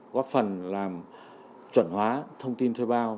góp phần làm chuẩn hóa thông tin thuê bao